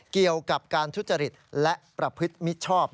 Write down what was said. เกี่ยวกับการทุจริตและประพฤติมิชชอบ